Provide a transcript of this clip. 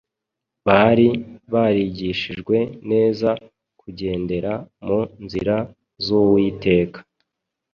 Bari barigishijwe neza kugendera mu nzira y’Uwiteka